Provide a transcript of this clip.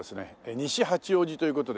西八王子という事で。